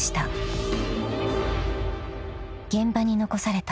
［現場に残された］